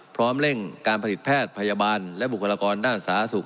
เร่งการผลิตแพทย์พยาบาลและบุคลากรด้านสาธารณสุข